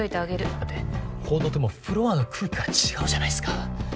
だって報道ってもうフロアの空気から違うじゃないっすか。